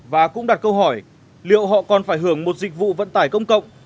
và cũng đặt câu hỏi liệu họ còn phải hưởng một dịch vụ vận tải công cộng